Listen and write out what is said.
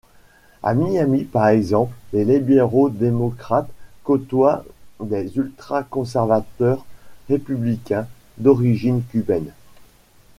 À Miami par exemple, les libéraux démocrates côtoient des ultra-conservateurs républicains d'origine cubaine.